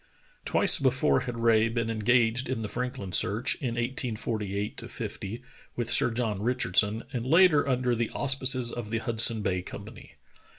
Twice before had Rae been engaged in the Franklin search, in 1848 50 with Sir John Richardson, and later under the auspices of the Hudson Bay Company.